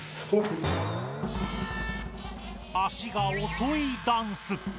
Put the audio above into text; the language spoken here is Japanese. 足がおそいダンス。